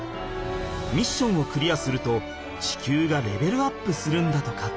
ミッションをクリアすると地球がレベルアップするんだとか。